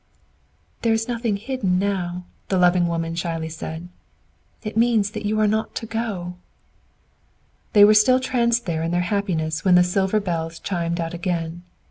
"There is nothing hidden now," the loving woman shyly said. "IT MEANS THAT YOU ARE NOT TO GO!" They were still tranced there in their happiness when the silver bells chimed out again.